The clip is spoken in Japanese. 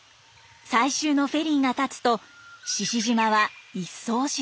最終のフェリーがたつと志々島は一層静けさを増します。